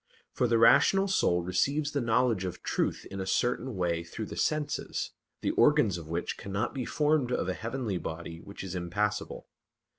For the rational soul receives the knowledge of truth in a certain way through the senses, the organs of which cannot be formed of a heavenly body which is impassible.